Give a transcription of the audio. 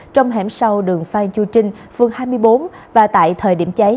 trong hẻm sau đường phan chu trinh phương hai mươi bốn và tại thời điểm cháy